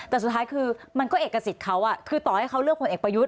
แต่สุดท้ายคือมันก็เอกสิทธิ์เขาคือต่อให้เขาเลือกผลเอกประยุทธ์